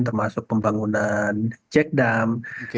termasuk pembangunan jack dam